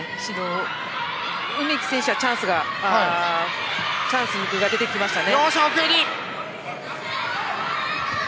梅木選手はチャンスが出てきましたね。